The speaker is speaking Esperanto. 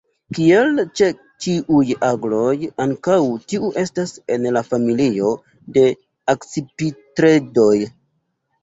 Kiel ĉe ĉiuj agloj, ankaŭ tiu estas en la familio de Akcipitredoj.